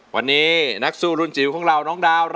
วันนี้นักสู้รุ่นจิ๋วของเราน้องดาว